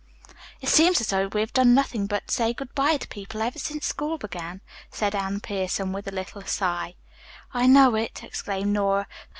"It seems as though we have done nothing but say good bye to people ever since school began," said Anne Pierson with a little sigh. "I know it," exclaimed Nora.